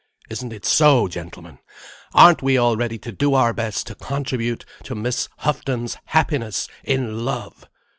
Isn't it so, gentlemen? Aren't we all ready to do our best to contribute to Miss Houghton's happiness in love?